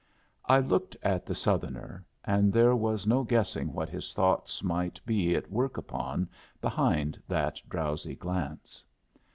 I looked at the Southerner; and there was no guessing what his thoughts might be at work upon behind that drowsy glance.